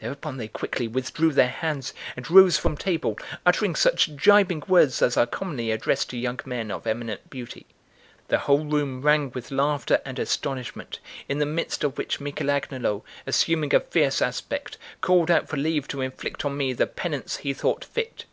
Thereupon they quickly withdrew their hands and rose from table, uttering such gibing words as are commonly addressed to young men of eminent beauty. The whole room rang with laughter and astonishment, in the midst of which Michel Agnolo, assuming a fierce aspect, called out for leave to inflict on me the penance he thought fit.